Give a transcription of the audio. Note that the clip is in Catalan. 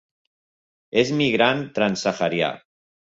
És migrant transsaharià.